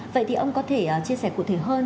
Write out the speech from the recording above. vậy thì ông có thể chia sẻ cụ thể hơn